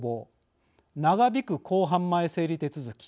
長引く公判前整理手続き。